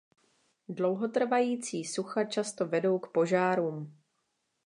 Dlouhotrvající sucha často vedou k požárům.